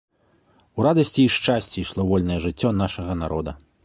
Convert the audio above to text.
У радасці і шчасці ішло вольнае жыццё нашага народа.